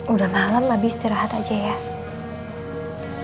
udah malem abi istirahat aja ya